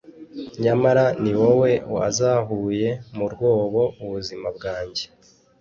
nyamara ni wowe wazahuye mu rwobo ubuzima bwanjye,